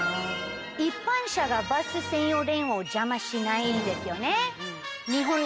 一般車がバス専用レーンを邪魔しないんですよね。